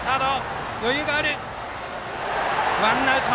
ワンアウト。